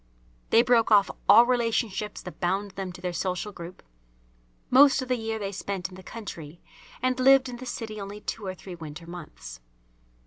They broke off all relationships that bound them to their social group. Most of the year they spent in the country and lived in the city only two or three winter months.